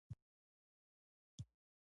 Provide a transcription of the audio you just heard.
د لومړنیو منابعو ته کتنه کړې ده.